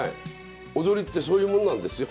踊りってそういうもんなんですよ。